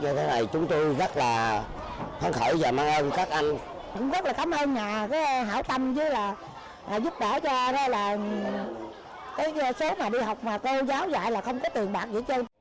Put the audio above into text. là không có tiền bạc gì chứ